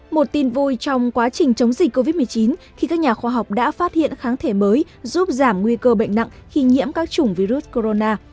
một tin vui trong quá trình chống dịch covid một mươi chín khi các nhà khoa học đã phát hiện kháng thể mới giúp giảm nguy cơ bệnh nặng khi nhiễm các chủng virus corona